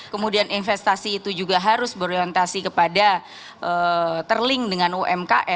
kemudian investasi itu juga harus berorientasi kepada terlink dengan umkm